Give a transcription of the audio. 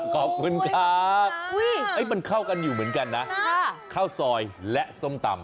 ขอบคุณครับมันเข้ากันอยู่เหมือนกันนะข้าวซอยและส้มตำ